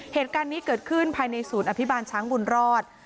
เหตุการณ์นี้เกิดขึ้นภายในศูนย์อภิบาลช้างบุญรอด